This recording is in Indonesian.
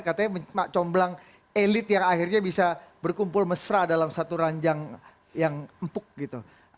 katanya comblang elit yang akhirnya bisa berkumpul mesra dalam satu ranjang yang empuk gitu